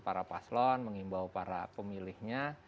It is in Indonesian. para paslon mengimbau para pemilihnya